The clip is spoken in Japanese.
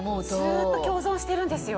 ずっと共存してるんですよ。